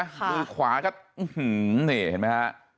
มือขวาก็หืะหืงนี่เห็นมั้ยฮะ